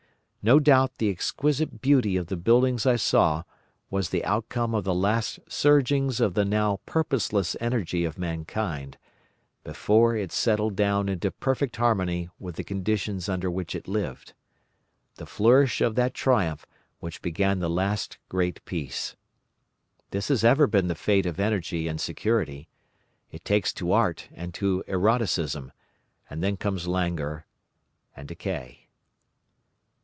No doubt the exquisite beauty of the buildings I saw was the outcome of the last surgings of the now purposeless energy of mankind before it settled down into perfect harmony with the conditions under which it lived—the flourish of that triumph which began the last great peace. This has ever been the fate of energy in security; it takes to art and to eroticism, and then come languor and decay.